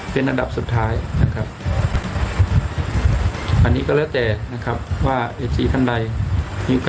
สิ่งวันนี้นะครับพรที่ลุงคลขอนะครับว่าให้เรื่องทุกอย่างนะครับ